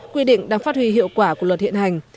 quy định đang phát huy hiệu quả của luật hiện hành